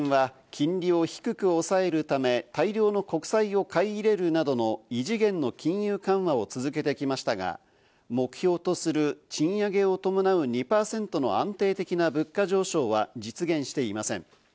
日銀は金利を低く抑えるため、大量の国債を買い入れるなどの異次元の金融緩和を続けてきましたが、目標とする賃上げを伴う２％の安定的な物価上昇は実現していません。